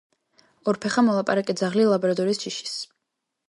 ორფეხა მოლაპარაკე ძაღლი, ლაბრადორის ჯიშის.